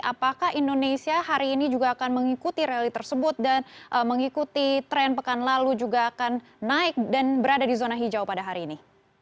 apakah indonesia hari ini juga akan mengikuti rally tersebut dan mengikuti tren pekan lalu juga akan naik dan berada di zona hijau pada hari ini